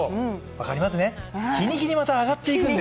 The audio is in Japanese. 分かりますね、日に日にまた上がっていくんです。